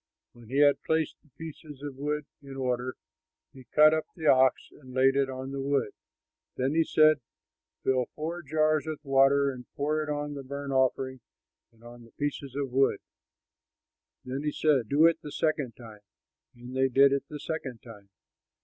When he had placed the pieces of wood in order, he cut up the ox and laid it on the wood. Then he said, "Fill four jars with water and pour it on the burnt offering and on the pieces of wood." And he said, "Do it the second time"; and they did it the second time.